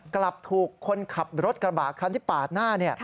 กลับถูกคนขับรถกระบะคันที่ปาดหน้า